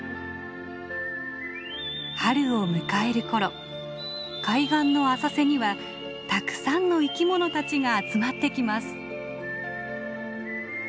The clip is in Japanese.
春を迎える頃海岸の浅瀬にはたくさんの生きものたちが集まってきます。